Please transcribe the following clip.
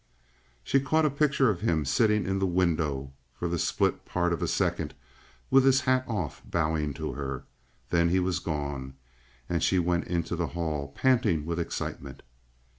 She caught a picture of him sitting in the window for the split part of a second, with his hat off, bowing to her. Then he was gone. And she went into the hall, panting with excitement.